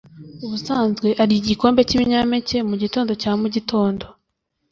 ubusanzwe arya igikombe cyibinyampeke mugitondo cya mugitondo.